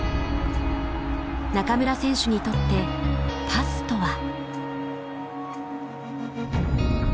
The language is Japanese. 中村選手にとって「パス」とは。